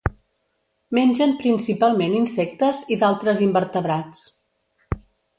Mengen principalment insectes i d'altres invertebrats.